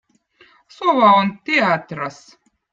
sova on teattrõz